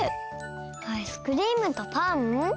アイスクリームとパン？